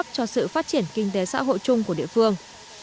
cho sự phát triển kinh tế xã hội chung của địa phương